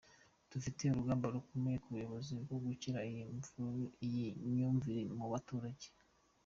Dufite urugamba rukomeye nk’ubuyobozi rwo gukura iyi myumvire mu baturage.